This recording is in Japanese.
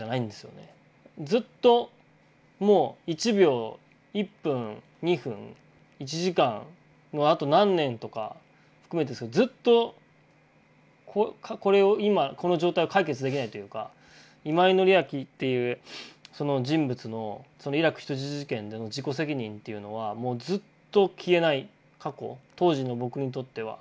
ずっともう１秒１分２分１時間のあと何年とか含めてずっとこれを今この状態を解決できないというか今井紀明っていうその人物のイラク人質事件での自己責任っていうのはもうずっと消えない過去当時の僕にとっては。